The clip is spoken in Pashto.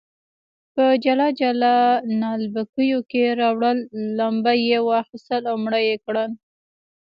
په جلا جلا نعلبکیو کې راوړل، لمبه یې واخیستل او مړه یې کړل.